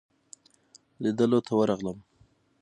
لیدلو ته ورغلم.